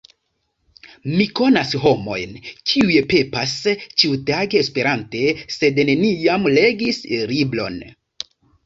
Mi konas homojn, kiuj pepas ĉiutage esperante sed neniam legis libron.